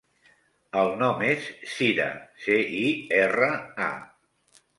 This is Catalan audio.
El nom és Cira: ce, i, erra, a.